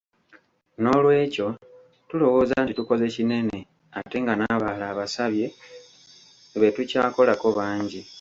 N’olwekyo, tulowooza nti tukoze kinene ate nga n’abalala abasabye be tukyakolako bangi.